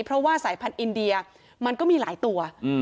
เพราะว่าสายพันธุ์อินเดียมันก็มีหลายตัว